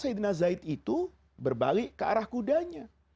sayyidina zaid itu berbalik ke arah kudanya